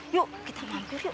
yuk kita mampir yuk